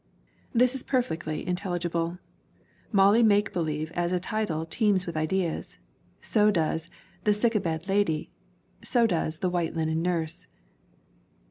This is perfectly intelligible. Molly Make Believe as a title teems with ideas; so does The Sick &~Bed Lady; so does The White Linen Nurse.